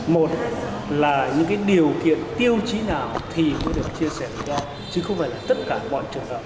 một là những điều kiện tiêu chí nào thì mới được chia sẻ rủi ro chứ không phải là tất cả bọn trường hợp